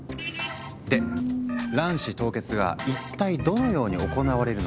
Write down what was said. で卵子凍結が一体どのように行われるのか。